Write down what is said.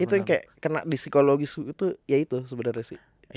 itu kena di psikologi itu ya itu sebenarnya sih